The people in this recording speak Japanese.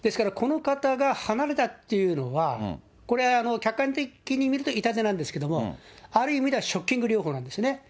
ですから、この方が離れたっていうのが、これは客観的に見ると痛手なんですけれども、ある意味では、ショッキング療法なんですね。